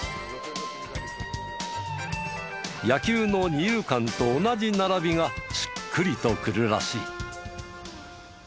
野球の二遊間と同じ並びがしっくりとくるらしい。